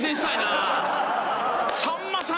さんまさん